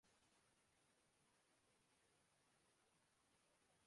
حامد میر کے خلاف لوگ سڑکوں پر آگۓ